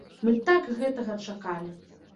Мы так гэтага чакалі.